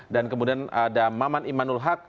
dan kemudian ada maman imanul haq